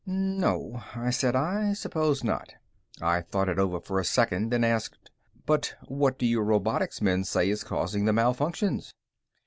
"No," I said, "I suppose not." I thought it over for a second, then asked, "But what do your robotics men say is causing the malfunctions?"